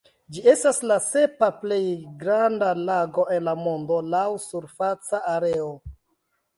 Ĝi estas la sepa plej granda lago en la mondo laŭ surfaca areo.